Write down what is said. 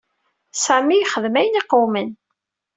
Sami yexdem ayen iqewmen.